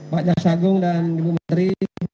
pak jasagong dan ibu menteri